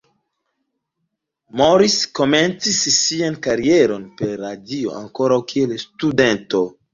Morris komencis sian karieron per radio ankoraŭ kiel studento.